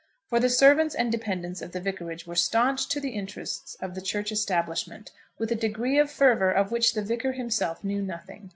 For the servants and dependents of the vicarage were staunch to the interests of the church establishment, with a degree of fervour of which the Vicar himself knew nothing.